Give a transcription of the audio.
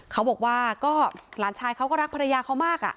เขาบอกว่าก็หลานชายเขาก็รักภรรยาเขามาก